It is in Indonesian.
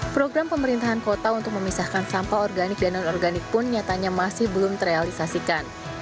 program pemerintahan kota untuk memisahkan sampah organik dan non organik pun nyatanya masih belum terrealisasikan